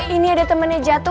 ini ada temennya jatuh